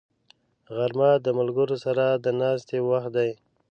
غرمه د ملګرو سره د ناستې وخت دی